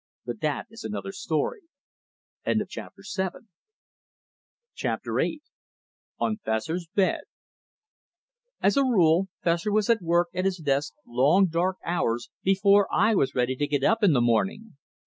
But that is another story. Chapter VIII On Fessor's Bed As a rule, Fessor was at work at his desk long, dark hours before I was ready to get up in the morning.